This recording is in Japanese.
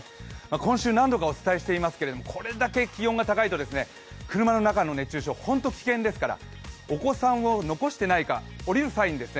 今週何度かお伝えしていますがこれだけ気温が高いと車の中の熱中症、本当に危険ですから、お子さんを残していないか下りる際もですね